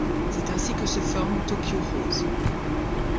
C'est ainsi que se forme Tokyo Rose.